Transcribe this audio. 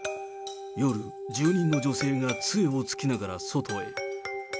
夜、住人の女性がつえを突きながら外へ。